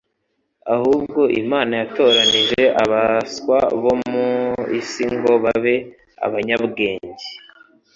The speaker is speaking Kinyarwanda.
ahubwo imana yatoranije abaswa bo mu isi ngo babe abanyabwenge